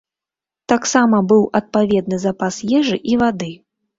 Таксама быў адпаведны запас ежы і вады.